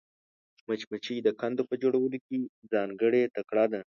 مچمچۍ د کندو په جوړولو کې ځانګړې تکړه ده